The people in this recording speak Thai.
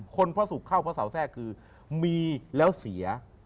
พระศุกร์เข้าพระเสาแทรกคือมีแล้วเสีย